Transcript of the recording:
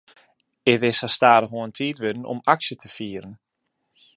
It is sa stadichoan tiid wurden om aksje te fieren.